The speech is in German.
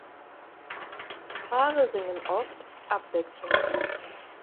Paare singen oft abwechselnd.